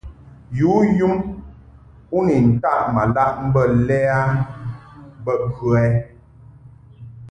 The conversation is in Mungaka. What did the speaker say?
Yǔ yum u ni taʼ ma laʼ mbə lɛ a bə kə ɛ ?